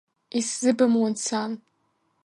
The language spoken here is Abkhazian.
Исзыбымун, сан.